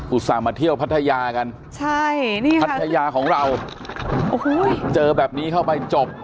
อุตส่างมาเที่ยวภัทยากันใช่ภัทยาของเราเจอแบบนี้เข้าไปจบ